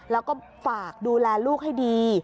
แล้วก็ฝากดูแลลูกให้ดี